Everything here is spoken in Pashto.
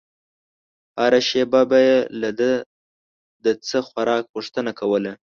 هره شېبه به يې له ده د څه خوراک غوښتنه کوله.